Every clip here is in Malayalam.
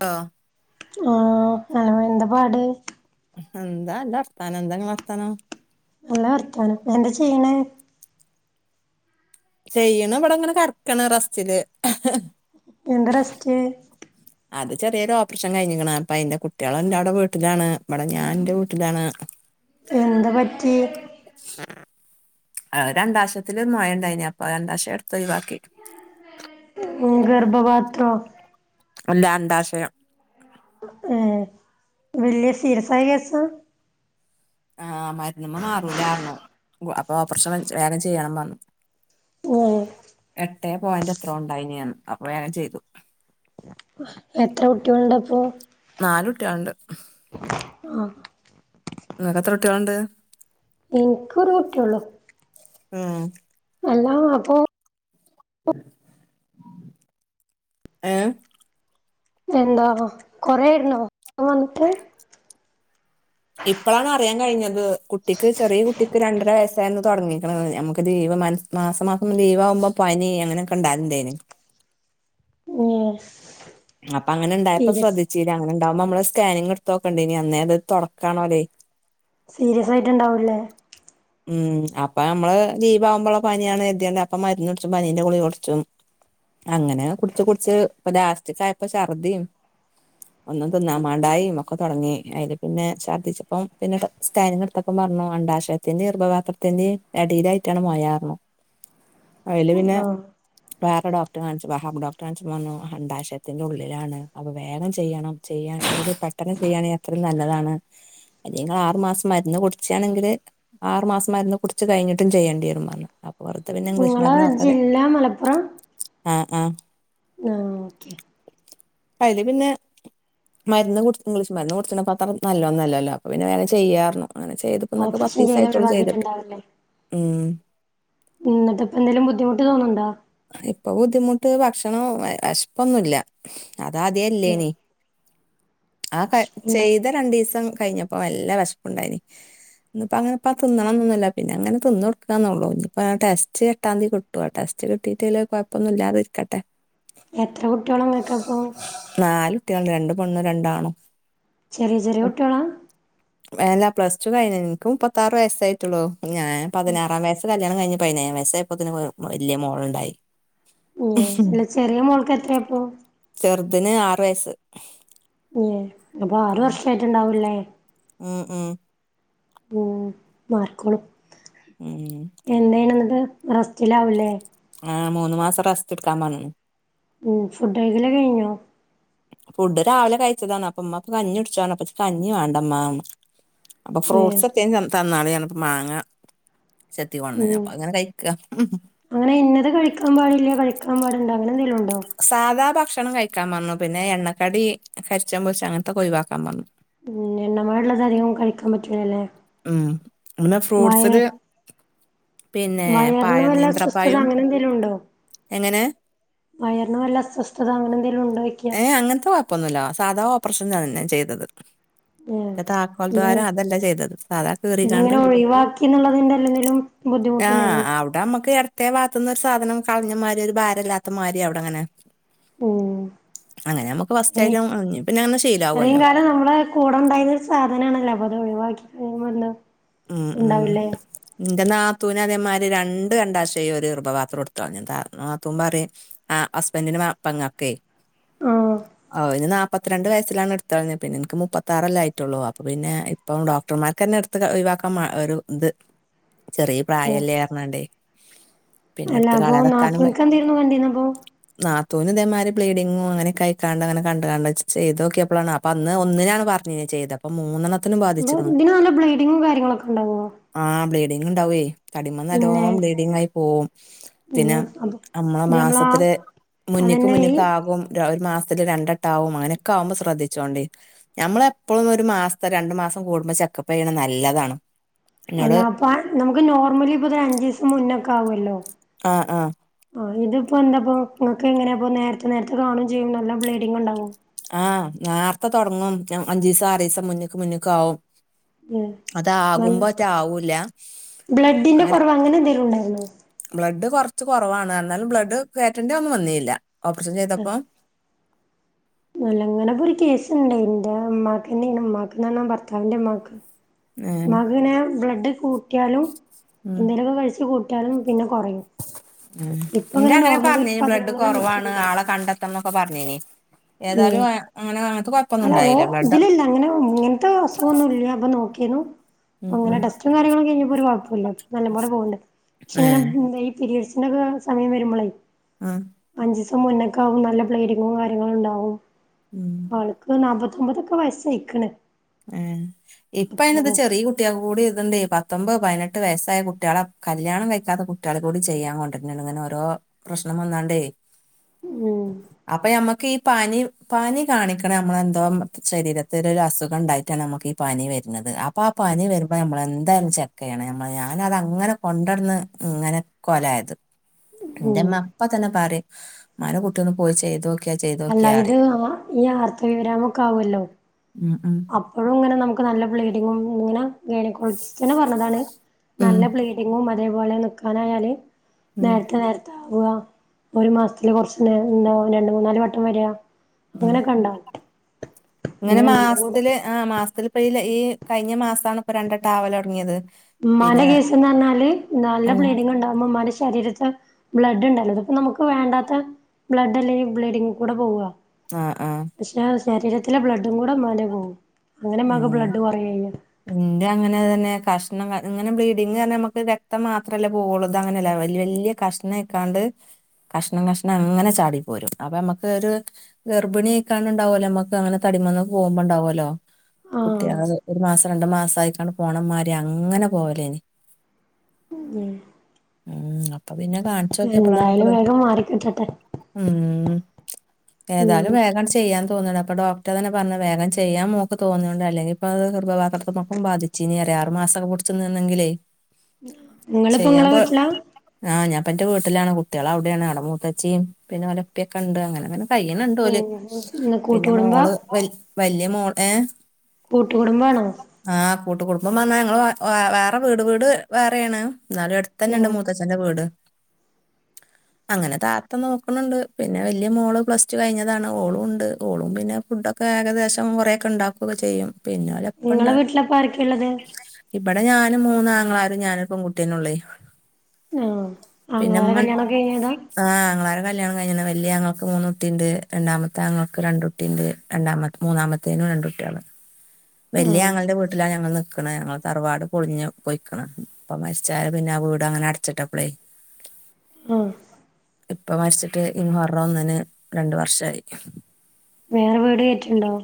ഓ... ആഹ് അ വെറേന്ത പാട് എന്താ ന്റെറ് ത്താനം ന്ത ങ്ങടേറ് ത്താനം നല്ല വർത്താനം എന്താ ചെയ്യണേ ചെയ്യണം ഇവിടെങ്ങനെ കട്ക്കണ റസ്റ്റില് എന്ത റെസ്റ്റ്? അത് ചെറിയൊരു ഓപ്പറേഷൻ കഴിഞ്ഞിക്കണം അപ്പൊ അന്റെ കുട്ടികള എന്റെവിടെ വീട്ടിലാണ് ഇവിടെ ഞാൻ എന്റെ വീട്ടിലാണ് [inaudible] എന്ത പറ്റിയേ? അ രുണ്ടാഷത്തില് മൊയണ്ടായിന അപ്പൊ രണ്ടാഷം എടുത്തൊഴി വക്കി ഉം ഗർ ബബാത്രോ? അല്ല അണ്ടാശയം ഏഹ് വെലിയ സിരസായികേസ ആഹ് മരുന്നമ്മേ മാറൂലായിരുന്നു അപ്പൊ ഒപ്രേഷം വേഗം ചെയ്യണം പറഞ്ഞു ഓ എട്ടേ പോയീന്റ് എത്ര ഉണ്ടായിനനു അപ്പൊ വേംചെയ്തു എത്ര കുട്ടിളുണ്ട് അപ്പോ? നാല് ഉട്ടിയുണ്ട് ആഹ് നിങ്ങെക് എത്ര ഉട്ടിളുണ്ട്? എനിക്ക് രു ഉട്ടീയേള്ളൂ ഉം അല്ലാ അപ്പോ? ഏഹ് എന്തോ കൊറായിരുന്നോ വന്നിട്ട്? ഇപ്പോളാണ് അറിയാൻ കഴിഞ്ഞത് കുട്ടിക്ക് ചെറിയ കുട്ടിക്ക് രണ്ടര വയസ്സായിന്നു തുടങ്ങിക്കണ് ഞമുക്ക് ദൈവ മനസി മാസമാസം ലീവ് ആകുമ്പോ പനി അങ്ങനെയൊക്കെ ഉണ്ടായിതേന് യേസ്. അപ്പൊ അങ്ങനെ ഉണ്ടായപ്പോ ശ്രദ്ധിച്ചീല്ല അന ഉണ്ടാവുമ്പോ നമ്മള് സ്കാനിങ് എടുത്ത്തോക്കണ്ടേ ഇനി അന്നേ അത് തുടക്കാണോല്ലേ... സീരിയസ് ആയിട്ടുണ്ടാവൂല്ലേ? ഉം അപ്പൊ നമ്മള് ലീവ്മ്പോള്ള പനിയാണ് എത്യ്യാന അപ്പൊ മരുന്ന്കുടിച്ചും പനീന്റെ കുളി കുടിച്ചും അങ്ങനെ കുട്ച്ച് കുട്ച്ച് ഇപ്പ ലാസ്റ്റക് അയപ്പോ ഛർദിയും ഒന്നും തിന്നാ മാണ്ടായും ഒക്കെ തുടങ്ങി അതില് പിന്നെ ഛർദിച്ചപ്പം പിന്നെ സ്കാനിങ് എടുത്തപ്പം പറഞ്ഞു അണ്ടാശയ ത്തിന്റെ ഗർഭപാത്രത്തിന്റെയും അടയിലായിട്ടാണ് മൊയാർന്ന് അയില് പിന്നെ ആഹ് വേറെ ഡോക്ടർ കാണിച്ചു വഹാബ് ഡോക്ടർ കാണിച്ചപ്പോ പറഞ്ഞു അണ്ഡാശയത്തിന്റെ ഉള്ളിലാണ് അത് വേഗം ചെയ്യണം ചെയ്യാണെങ്കി പെട്ടന്ന് ചെയ്യാണെങ്കി അത്രേം നല്ലതാണ് അല്ലങ്കി ങ്ങള് ആറ് മാസം മരുന്ന് കുടിച്ചാണെങ്കില് ആറു മാസം മരുന്ന് കുടിച്ച് കഴിഞ്ഞിട്ടും ചെയ്യേണ്ടി വരൂന്നാല്ലോ? അപ് പൊറത്ത് പിന്നെ നിങ്ങളെ ഇംഗ്ലീഷ്മര്ന്ന് അത്രയും ജില്ല മലപ്പുറം ആഹ് ആ ആഹ് ഓക്കേ അയതി പിന്നെ മരുന്ന് കുടി ഇംഗ്ലീഷ് മരുന്ന് കുട്ച്ച്ർന്നപ്പം അത്രനല്ല ഒന്നും അല്ലാല്ലോ അപ്പ പിന്നെ വേഗം ചെയ്യാർന്ന് അങ്ങനെ ചെയ്തിപ്പം ഇന്നക്ക് ഓപ്പറേഷൻ പത്തീസം ചെയ്ത് ആയിട്ടോളൂ ചെയ്തിട്ട് ഒഴിവാക്കിയിട്ടുണ്ടാവില്ലേ ഉം ഇന്നിട്ട് ഇപ്പോ എന്തേലും ബുദ്ധിമുട്ട് തോന്നുണ്ടോ? ഇപ്പൊ ബുദ്ധിമുട്ട് ഭക്ഷണം വിഷപ്പൊന്നുല്ല അതാതെ ഉം ഇല്ലയ്നി ആ ക വിശപ്പുണ്ടോ? ചെയ്ത രണ്ടിവസം കഴിഞ്ഞപ്പോ നല്ല വെശപ്പ്‌ണ്ടയ്നീ ഇപ്പ അങ്ങനെപ്പ തിന്നണംന്ന്ന്നില്ല പിന്നെ അങ്ങന തിന്ന് കൊടുക്കാന്നൊള്ളു ഇനിപ്പാ ആ ടെസ്റ്റ് എട്ടാം തീയതി കിട്ടും ടെസ്റ്റ് കിട്ട കിട്ടീട്ട് അയില് കുയപ്പൊന്നും ഇല്ലാതിരിക്കട്ടെ എത്ര കുട്ടികളാ നിങ്ങക്കപ്പോ നാല് ട്ട്യാണ് രണ്ട് പെണ്ണും രണ്ടാണും. ചെറ്യേ ചെറ്യേ കുട്ട്യാളാ? ഏല്ല പ്ലസ് ടു കഴിഞ്ഞ ഇൻക്ക് മുപ്പത്താറ് വയസ്സായിറ്റുള്ളു ഞാൻ പതിനാറാം വയസ് കൽ ല്യാണം കയ്ഞ് പൈനേയാം വയസ്സായപ്പത്തിന് വ് വല്ല്യ മോളുണ്ടായി. മ് അല്ല ചെറ്യേ മോൾക്ക് എത്രേപ്പൊ? ചെർതിന് ആറ് വയസ്സ്. ഉം അപ്പൊ ആറ് ഉം വർഷായിട്ട്ണ്ടാവൂ ള്ളേ. ഉം ഉം. ഉം മാറിക്കോളും. ഉം. എന്തേനുന്നട്ട്? റെസ്റ്റിലാവുല്ലെ? ആഹ് മൂന്ന് മാസം റസ്റ്റ്‌ ഇട്ക്കാൻ പറഞ്. ഉം ഫുഡയിക്കല് കഴിഞ്ഞോ? ഫുഡ് രാവിലെ കഴിച്ചതാണ്, അപ്പ മ്മപ കഞ്യുട്ച്ചാർഞ് അപ്പച്ച് കഞ്ഞി വേണ്ടമ്മാന്ന്. അപ്പ ഏ ഫ്രൂട്ട്സെത്തേം ത തന്നാളി അർഞ്ഞപ്പോ മാങ്ങ. ചെത്തി കൊട്ന്ന്ന് ഉം അപ്പൊ അവ്ങ്ങനെ കഴിക്ക. അങ്ങനെ ഇന്നത് കഴിക്കാ പാടില്ല കഴിക്കാ പാട്ണ്ട് അങ്ങനെ ന്തെങ്കിലുണ്ടോ? സാധാ ഭക്ഷണം കഴിക്കാപർഞ്ഞു, പിന്നെ എണ്ണക്കടി കര്ച്ചും പൊരിച അങ്ങൻത്തൊഒക്കെ ഒഴിവാക്കാ പർഞ്ഞു. ഉം എണ്ണമയള്ളത് അധികം കഴിക്കാൻ പറ്റൂലല്ലേ? ഉം പിന്നെ ഫ്രൂട്ട്സ് വയ ല് പിന്നേ പഴ വയറിന് വല്ല അസ്വസ്ഥത നീന്ത്രപയും അങ്ങനെ എങ്ങനെ? വയർന് വല്ല അസ്വസ്ഥത അങ്ങനെന്തെലുണ്ടോയ്ക്ക. ഏ അങ്ങൻത്തെ കൊയപ്പൊന്നൂല്ല, സാധാ ഓപ്പർഷൻതന്നെ ചെയ്തത്. ഏ മറ്റേ താക്കോൽ പിന്നെ ദ്വാരം അതല്ല ചെയ്തത് സാധാ കീറിക്കാണ്ട് പിന്നങ്ങനെ ഒഴിവാക്കി ന്ന്ള്ളതിന്റെ ല്ലന്തേലും. ആ ഔടമ്മക്ക് എട്ത്തേ വാത്ത്ന്ന് ഒരു സാധനം കളഞ്ഞമാരി ഒരു ഭാരമല്ലാത്തമാരി ഔടങ്ങനെ. ഉം. അങ്ങനെ ഞമക്ക് ഏഹ് ഫസ്റ്റായിട്ടു ഇഞ് പിന്നങ്ങനെ ശീലാവൊല്ലോ. കൂടെണ്ടായിന്ന സാധനാണല്ലോ, പ്പത് ഒഴിവാക്കി കയുമ്പെന്തോ. ഉം ഉം. ഇന്റെ നാത്തൂന് അതെമാരി രണ്ട് അണ്ഡാശയു ഒരു ർഭപാത്രു ഇട്ത് കൾഞ് താ നാത്തൂൻ പറിം. ആ ഹസ്ബൻറ്റിന്റെ മ പെങ്ങക്കെ ആഹ് അവര് നാ- പ്പത്ത്രണ്ട് വയസ്സിലാണ് ഇട്ത്തൾ ഞ് പിന്നെ ഇൻക്ക് മുപ്പത്താറല്ലെ ആയ്റ്റൊള്ളൂ അപ്പപിന്നെ ഇപ്പം ഡോക്ടർമാർകെന്നെ ഇട്ത്ത് ക ഒഴിവാ ക്ക മ്മ ഒരു ത് ചെറീ ഉം പ്രായല്ലേർഞാണ്ടെ. അല്ല അപൊ നാത്തൂൻക്കെന്തേര്ന്നു കണ്ടീന്ന പ്പോ. നാത്തൂന് ഇതേമാരി ബ്ലീഡിങ്ങും അങ്ങനെ കയിക്കാണ്ട് അങ്ങന ക ണ്ടണ്ട് ച് ചെയ്തോക്ക്യപ്പളാണ് അ- പ്പന്ന് ഒന്നിനാണ് പറഞീന്യ ചെയ്ത പ്പം മൂന്നെണത്തിന് ഗു ഇതിന് നല്ല ബ്ലീഡിങ്ങും കാര്യങ്ങളൊക്കെണ്ടാവ്യോ? ആ് ബ്ലീഡിങ്ണ്ടാവേ, തടിമ്മന്നല്ലോ പിന്നെ ബ്ലീഡിങ്ങായി പോവും. എന്ത ത്തിന് അത് അമ്മള ഇത് നമ്മളാ മാസത്തിലെ മുന്ന്ക്ക് അതന്നെ ഈ മുന്ന്ക്ക് ആ- അകും ര ഒരു മാസത്തില് രണ്ടട്ടാവും അങ്ങനൊക്കാവുമ്പൊ സ്രദ്ധിച്ചോണ്ടി. ഞമ്മള എപ്പോളുന്നു ഒരു മാസത്തെ രണ്ടു മാസം കൂടുമ്പോ ചെക്കപ്പെ യ്യണ നല്ലതാണ്. എന്നോട് അല്ലാ പ്പ നമക്ക് നോർമലി പ്പൊതര ഞ്ചിസം മുന്നൊക്കാവൊല്ലോ. ആഹ ആഹ. ആ് ഇത്പ്പോ എന്താപ്പ ങ്ങക്കെ ങ്ങനെയാപ്പ നേരത്തെ നേരത്തെ കാണും ചെയ്യും നല്ല ബ്ലീഡിങ് ണ്ടാവോ? ആഹ് നേർത്തെ തൊട്ങ്ങും ഞാൻ അഞ്ചിസം ആറീസം മുന്ന്ക്ക് മുന്ന് ക്കാവും. ഉം നല്ല അതാകുമ്പോറ്റ ആവൂല്ല അങ്ങനെ. അങ്ങനെന്തേലുണ്ടായിര്ന്നോ? ബ്ലഡ് കൊർച്ച് കൊറവാണ് ന്നാലും ബ്ലഡ് കേറ്റണ്ട്യന്നും വന്നീല്ല, ഓപ്പർ ഷം ചെയ്തപ്പോ. ന്നല്ലങ്ങനപ്പരു കേസ്ണ്ടെ ന്റെ മ്മാക്കന്നെണ് മ്മാക്ക്ന്നർഞ ഭർത്താവിന്റെമ്മാക്ക്. ഏഹ് മ്മാക്ക് ഇനെ ബ്ലഡ് കൂട്ടിയാലും ഉം എന്തെങ്കലുമൊക്കെ കഴിച്ചു കൂട്ടിയാലും പിന്നെ കുറയും ഉം ഇപ്പ നിന്റെ ഇങ്ങനെ അങ്ങനെ നോർമലി ഒരു പറഞ്ഞേ ബ്ലഡ് പതിനൊന്നില് കുറവാണ് നിക്ക്ണ്ട് ആളെ കണ്ടെത്തന്നൊക്കെ പറഞ്ഞേന ഉം അല്ല ഓ ഉണ്ടായില്ല ബ്ലഡ് ഇതിലല്ല അങ്ങനെ ഇങ്ങനത്തെ ഒന്നുഇല്ല്യ അപ്പ നോക്കിനു അപ്പ ഉം അങ്ങനെ ഉം ടെസ്റ്റും കാര്യങ്ങളൊക്കെ കഴിഞ്ഞപ്പോ ഒരു കുഴപ്പമില്ല ഇപ്പോ നല്ല പോല പോകണ്ട് പക്ഷെ ഇങ്ങനെ ആഹ് എന്താ പിരിഡ്സിൻ്റെക്കെ സമയം വരുമ്പോളേ ആഹ് അഞ്ചിസം മുന്നക്ക ആവും നല്ല പ്ലേഡിങ്ങും കാര്യങ്ങള ഉണ്ടാവും ഉം അവൾക്ക് നാമ്പത്തൊമ്പതൊക്കെ വയസയിക്കണ് ആഹ് ഇപ്പ അയിന്ത് ചെറിയ കു കുട്ടികൾ കൂടി ഇതുണ്ട് ഈ പത്തൊമ്പത് പതിനെട്ട് വയസ്സായ കുട്ടികളെ കല്യാണം കഴിക്കാത്ത കുട്ടികള കൂടി ചെയ്യാ കൊണ്ട് പിന്നണങ്ങനെ ഓരോ പ്രശ്നം വന്നാണ്ടേ ഉം അപ്പൊ മ്മക്ക് ഈ പനി പനി കാണിക്കണം നമ്മള എന്തോ ശരീരത്തി ഒരു അസുഖം ഉണ്ടായിട്ടാണ് നമുക്ക് ഈ പനി വരുന്നത് അപ്പോൾ ആഹ് പനി വരുമ്പോൾ നമ്മൾെന്തായാലും ചെക്ക് ചെയ്യണം നമ്മൾ ഞാന അതങ്ങനെ കൊണ്ടടന്ന് ഇങ്ങനെ കൊലായത് ഉം എന്റെമ്മ അപ്പ തന്നെ പറയും മന കുട്ടി ഒന്ന് പോയി ചെയ്തു അല്ല ഇത് ഈ ആർത്തവിവരമൊക്കെ ആവുമല്ലോ ഉം ഉം അപ്പോഴും ഇങ്ങനെ നമ്മുക്ക് നല്ല ബ്ലീഡിംഗ് ഇങ്ങനെ ഗൈനക്കോളജിസ്റ്റ് ന്നെ പറഞ്ഞതാണ് ഉം നല്ല ബ്ലീ ഡിംങ്ങും അതേപോലെ നിക്കാനായല് ഉം നേരത്തെ നേരത്തെ ഒരു മാസത്തില് കുറച്ച് എന്താ രണ്ട മൂന്നാല് വട്ടം വരക ഉം അങ്ങനെയൊക്കെ ഉണ്ടാവ പിന്നെ കൂടെ ത്തില് ആഹ് മാസത്തിൽപ്പല്ല ഈ കഴിഞ്ഞ മാസണ ഇപ്പൊ രണ്ടട്ടാവല തുടങ്ങിയത് ഉമ്മൻ്റെ കേസ്ന്ന് പറഞ്ഞാല് നല്ല ഉം ബ്ലീഡിംഗ ഉണ്ടാവും ഉമ്മൻ്റെ ശരീരത്ത് ബ്ലഡ് ഉണ്ടല്ലോ അപ്പ നമുക്ക് വേണ്ടാത്ത ബ്ലഡ് അല്ലെ ഈ ബ്ലീഡിങ് കൂടെ പോവുക ആഹ് ആഹ് പക്ഷെ ശരീരത്തിലെ ബ്ലഡും കൂടെ ഇമ്മൻ്റെ പോകവും അങ്ങനെ മ്മക്ക് ബ്ലഡ് കുറയയ്യ എന്റെ അങ്ങനെ തന്നെ കഷ്ണം ഇങ്ങനെ ബ്ലീഡിങ് പറ നമുക്ക് രക്തം മാത്രമല്ലേ പോകുള്ളൂ ഇത് അങ്ങനെയല്ല വലിയ വലിയ കഷ്ണംക്കാണ്ട് കഷ്ണം കഷ്ണം അങ്ങനെ ചാടി പോരും അപ്പൊ നമുക്ക് ഒരു. ഗർഭിണിക്കാണ്ടാവുല്ലോമ്മക്ക് അങ്ങനെ തടിമന്ന പോക്പോണ്ടാവുല്ലോ. കുട്ടിള്ളത് ആഹ് ഒരു മാസം രണ്ടു മാസം ആയിക്കാണ്ട് പോണംമാര് അങ്ങനെ പോവലേനി. ഉം അപ്പൊ പിന്നെ കാണിച്ചു നോക്കിയപ്പള്ളാണ് ഇപ്പൊ എന്തായാലും ഇത്. വേഗം മാറിക്കിട്ടട്ടെ ഉം ഉം ഏതായാലും വേഗം ചെയ്യാൻ. തോന്ന ഇപ്പൊ ഡോക്ടറെന്നെ പറഞ്ഞ വേഗം ചെയ്യൻ നോ. ഇപ്പോൾ തോന്നിയൊണ്ട് അല്ലെങ്കി ഇപ്പൊ ആ ഗർഭപാത്രത്മക്കും ബാധിച്ചേനിറയാ ആറുമാസം പുടിച്ചു നിന്നെങ്കിലെ. നിങ്ങളിപ്പൊങ്ങളെ വീട്ടിലാ. അതു ഞൻപ്പ എന്റെ വീട്ടിലാണ് കുട്ടികൾ അവിടെയാണ് അവിടെ മൂത്തചിം പിന്നെ ഓലഇപ്പൊയൊക്കെണ്ട് അങ്ങനെങ്ങനെ. കയ്യിന്ണ്ട് ഓല് ഇന്ന് പിന്നെ കൂട്ടുകുടുംബ മോൾ വല്ലിയ മോള് ഏ കൂട്ടുകുടുംബണോ എസ് കൂട്ടുകുടുംബം പറഞ്ഞ ഞങ്ങൾ വ വാ വേറെ വീട് വീട് വേറെണ് എന്നാലും അടുത്ത്ന്നെ ണ്ട് ആഹ് മൂത്തഛന്റെ വീട്. അങ്ങനെ താത്ത നോക്ണ്ണ്ട് പിന്നെ വലിയ മോള് പ്ലസ്ടു കഴിഞ്ഞതാണ് ഓളും ണ്ട് ഓളും പിന്നെ. ഫുഡൊക്കെ ഏകദേശം കുറെക്കെ ഉണ്ടാക്കുകൊക്കെ ചെയ്യും പിന്നെ ഇങ്ങളെ ഒലെഇപ്പണ്ട്. വീട്ടിലപ്പ ആരൊക്കെള്ളത് [unintelligible] ഇബടെ ഞാനും മൂന്നാങ്ങളാരുംഞാനും പെൺകുട്ടീനെള്ളേയ് ആഹ് ആങ്ങളാരെ പിന്നെമ്മ കല്യാണൊക്കെ കഴിഞ്ഞതാ [inaudible] ആഹ് അങ്ങൾര കല്യാണംകിഞ്ഞണ് വല്യയാഞങ്ങക്ക്മൂന്ന്ട്ടി ഉണ്ട് രണ്ടാമത്തൊങ്ങൾക്ക് രണ്ട്. കുട്ടിട്ട് രണ്ടാമതെ മൂന്നാമത്തേനും രണ്ട കുട്ടിള്. ആഹ് വല്യാങ്ങളുടെ വീട്ടിലാ ഞങ്ങള് നിൽകണ ഞങ്ങൾ തറവാട് പൊളിഞ്ഞു പൊയ്ക്ണ് ഉപ്പ മരിച്ചാല് പിന്നെ വീട് അങ്ങനെ അടച്ചിട്ടപ്പളേയ് ആഹ് ഇപ്പ മരിച്ചിട്ട് ഇ മുഹറം ഒന്നിന് രണ്ട് വർഷായി വേറെ വീട് [unintelligible]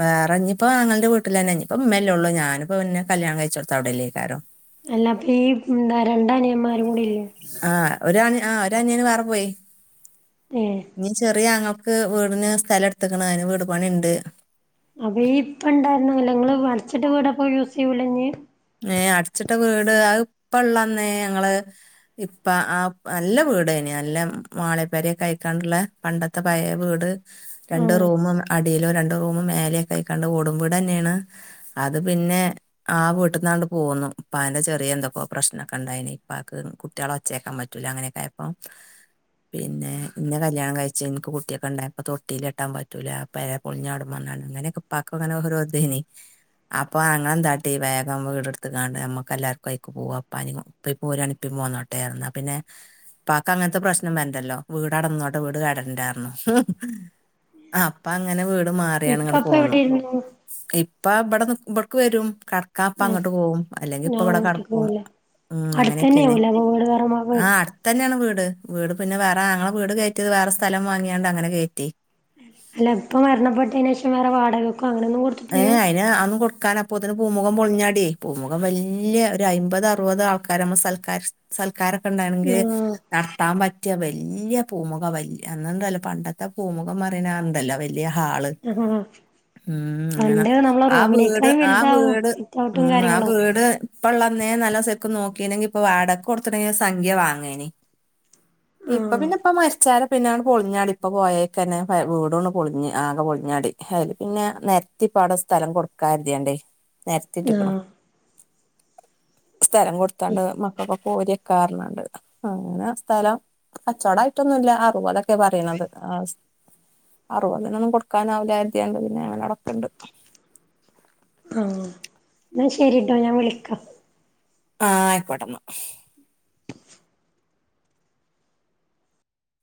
വേറെഞ്ഞി ഇപ്പ ആങ്ങളടെ വീട്ടിൽന്നെ ഇപ്പൊ മ്മല്ലേള്ളു ഞാനിപ്പോപിന്നെ കല്യാണം കഴിചോട്ത്ത് അവിടെല്ലെ [unintelligible] അല്ല ഈ [unintelligible] രണ്ട് അനിയന്മാരും കൂടി ഇല്ലേ ആഹ് ഒരനി ആഹ് ഒരനിയന് വേറെ പോയി ഏഹെ ഇനി ചെറിയാങ്ങൾക്ക് വീടിന് സ്ഥലം എട്ത്ത്കണ് അതിന് വീട് പണിണ്ട് അവി ഇപ്പ ഇണ്ടായിരുന്ന നിങ്ങള് അടച്ചിട്ട് വീട്പ്പോ യൂസ് ചെയ്യൂലിനി ഏ അടച്ട്ട വീട് അത് ഇപ്പള്ളന്ന് ഞങ്ങള് ഇപ്പ ആ നല്ല വീടായിനും നല്ല മാളപ്പേരക്കയ്ക്കാണ്ട്ള്ള പണ്ടത്തെ പയേ വീട് രണ്ട് ആഹ് റൂമും അടിയിലോ രണ്ട് റൂമും മേലെക്കെ ആയിക്കാണ്ട് ഓടും വീടെന്നാണ് അത് പിന്നെ ആഹ് [unintelligible] [unintelligible] പോന്നു ഇപ്പാന്റെ ചെറിയ എന്തൊക്കോ പ്രശ്നൊക്കെ ഉണ്ടായിന് ഇപ്പാക്ക് കുട്ടികളെ ഒച്ചക്കാപറ്റുല അങ്ങനൊക്കെ [inaudible] പിന്നെ ഇന്നെ കല്യാണം കഴിച്ച് എനിക്ക് കുട്ടിയൊക്കെ ഉണ്ടായിപ്പ തൊട്ടിൽ കെട്ടാൻ പറ്റൂല [unintelligible] [unintelligible] അങ്ങനെക്കെ ഇപ്പക്ക് അങ്ങനെ ഓരോ ഇതായ്ന്ന് അപ്പൊ അങ്ങള്ള എന്താട്ടി [unintelligible] വീടെടുത്ത് കാണ്ട് നമ്മുക്ക് എല്ലാവർക്കും ആയിക് പോവാ ഇപ്പാ പോരാണ്കിൽ ഇപ്പ പോന്നോടെ [unintelligible] പിന്നെ ഇപ്പാക്ക് അങ്ങനത്തെ പ്രശ്നം വരണ്ടല്ലോ വീട് അവടെന്നോട്ടെ വീട് [unintelligible] പറഞ്ഞു ഇപ്പ അങ്ങനെ വീട് മാറിയാണ് ഇങ്ങോട്ടു ഇപ്പപ്പ പോന്നു എവിടെയിരുന്നു ഇപ്പ ഇബടെ ഇവിടക്ക് വരും കടക്കാൻപ്പ ആഹ് അങ്ങോട്ട് പോകും അല്ലെങ്കി ഇപ്പ ഞാൻ ഇവിടെ വീട്ട്ക്ക് കടക്കും പോവൂല ഉം അടുത്തന്നെ അങ്ങനെക്കെയാണ് ആവൂലെ അപ്പൊ വീട് വേറെ മാ ആഹ് ഇതെന്നെയാണ് വീട് വീട് പിന്നെ വേറെ ഞങ്ങളെ വീട് കയറ്റിയത് വേറെ സ്ഥലം വാങ്ങിയാണ്ട് അങ്ങനെ കേറ്റി അല്ല ഇപ്പ മരണപ്പെട്ടതിന് ശേഷം വേറേ വാടകകോ അങ്ങനെ ഒന്നും ഏ അയിന് ആന്നും കൊടുകാ [unintelligible] അപ്പോത്തിന് പൂമുഖം പൊളിഞ്ഞാടി പൂമുഖം വല്യേ ഒരു അയ്മ്പത് അറുപത് ആൾക്കാര സൽക്കാര സൽക്കാരൊക്കെ ഉണ്ടായ്ന്നങ്കിൽ ആഹ് നടത്താൻ പറ്റിയ വലിയ പൂമുഖം വലിയ അന്ന്ണ്ടല്ലോ പണ്ടത്തെ പൂമുഖം പറയ്ണണ്ടല്ലോ വലിയ ഹാള് [unintelligible] ഉം അങ്ങനെ പണ്ട് നമ്മളെ ആഹ് വീട് റൂമിനേക്കായും ആഹ് വലുതാവും വീട് സിറ്റ് ഔട്ടും ഉം ആഹ് കാര്യങ്ങളും വീട് ഇപ്പള്ളന്നെ നല്ല സെർക്ക് നോക്കയ്ണെങ്കിൽ ഇപ്പൊ വടകക്ക് കൊടുത്ക്ക്ണങ്കിൽ സംഖ്യ വാങ്ങേന് ഇപ്പൊ ആഹ് പിന്നെ ഇപ്പ മരിച്ചാരം പിന്നെയാണ് പൊളിഞ്ഞാടി ഇപ്പ പോയയ്ക്കന്നെ വീട് ആട്ട് പൊളിഞ് ആകെ പൊളിഞ്ഞാടി അയല് പിന്നെ നെരത്തി ഇപ്പാടാ സ്ഥലം കൊടുക്കാരുതിയണ്ട് നെരത്തിട്ടിക്കണ് ആഹ് സ്ഥലം കൊടുത്താണ്ട് മക്കൾക്കൊക്കെ ഓനിവെക്കാന്ന് പറഞ്ഞ്ക്കാണ്ട് അങ്ങനെ സ്ഥലം കച്ചോടൊന്നായിട്ടില്ല അറ്പത് ഒക്കെ പറയണത് ആഹ് അറുപതിനൊന്നും കൊടുക്കാനാവില്ല കരുതിയാണ്ട് പിന്നെ അങ്ങനെ അവിടക്ക്ണ്ട് ആഹ് എന്ന ശരിട്ടോ ഞാൻ വിളിക്കാ ആഹ് ആയിക്കോട്ടന്ന